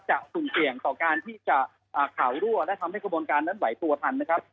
สุ่มเสี่ยงต่อการที่จะข่าวรั่วและทำให้กระบวนการนั้นไหวตัวทันนะครับ